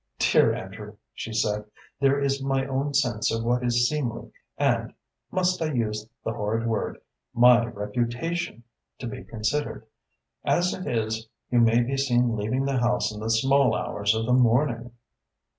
"Dear Andrew," she said, "there is my own sense of what is seemly and must I use the horrid word? my reputation to be considered. As it is, you may be seen leaving the house in the small hours of the morning."